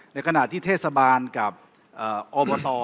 ในขณะที่เทศบาลกับอบต